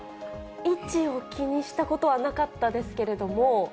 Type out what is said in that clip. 位置を気にしたことはなかったですけれども。